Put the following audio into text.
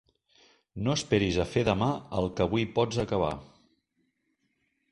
No esperis a fer demà el que avui pots acabar.